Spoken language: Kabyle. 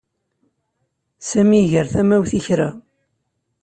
Sami iger tamawt i kra.